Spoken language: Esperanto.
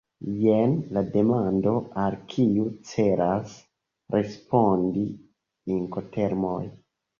Jen la demando, al kiu celas respondi Inkotermoj.